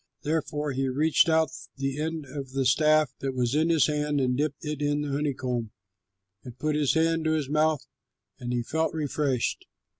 Therefore he reached out the end of the staff that was in his hand and dipped it in the honeycomb and put his hand to his mouth, and he felt refreshed.